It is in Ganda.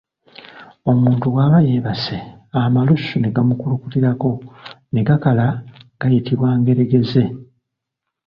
Omuntu bw’aba yeebase, amalusu ne gamukulukutirako ne gakala gayitibwa ngeregeze.